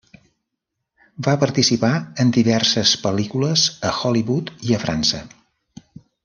Va participar en diverses pel·lícules a Hollywood i a França.